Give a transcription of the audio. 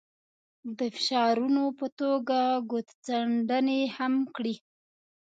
د فشارونو په توګه ګوتڅنډنې هم کړي.